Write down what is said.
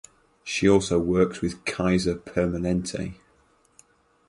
She also works with Kaiser Permanente.